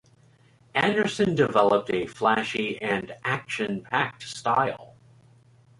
Andersen developed a flashy and action-packed style.